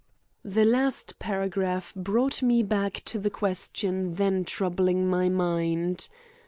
The last paragraph brought me back to the question then troubling my mind.